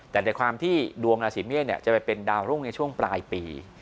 แต่ในความที่ดวงราศีเมษจะไปเป็นดาวรุ่งในช่วงปลายปี